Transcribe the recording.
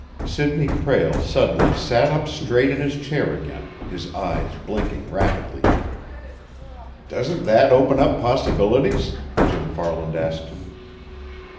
Sidney Prale suddenly sat up straight in his chair again, his eyes blinking rapidly. "Doesn't that open up possibilities?" Jim Farland asked him.